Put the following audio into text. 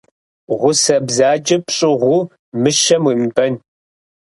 Гъусэ бзаджэ пщӏыгъуу мыщэм уемыбэн.